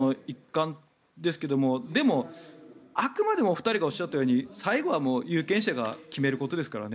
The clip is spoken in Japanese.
激しい権力闘争の一環ですがでも、あくまでもお二人がおっしゃったように最後は有権者が決めることですからね。